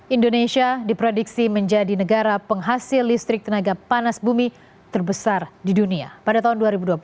indonesia diprediksi menjadi negara penghasil listrik tenaga panas bumi terbesar di dunia pada tahun dua ribu dua puluh